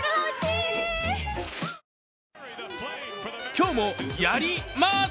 今日もやります！